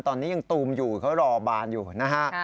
ตอนนี้ยังตูมอยู่เขารอบานอยู่นะฮะ